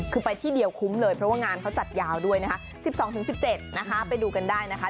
คือไปที่เดียวคุ้มเลยเพราะว่างานเขาจัดยาวด้วยนะคะ๑๒๑๗นะคะไปดูกันได้นะคะ